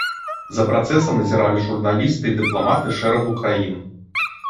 За працэсам назіралі журналісты і дыпламаты шэрагу краін.